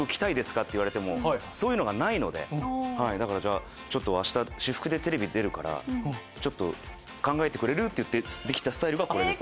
って言われてもそういうのないので明日私服でテレビ出るから考えてくれる？って言ってできたスタイルがこれです。